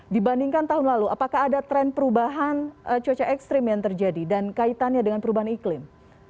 dibandingkan tahun lalu apakah ada tren perubahan cuaca ekstrim yang terjadi dan kaitannya dengan perubahan iklim